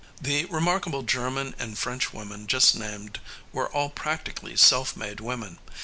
The remarkable German and French women just named were all practically self made women.